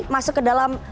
masuk ke dalam